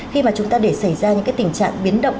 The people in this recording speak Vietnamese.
khi mà chúng ta để xảy ra những cái tình trạng biến động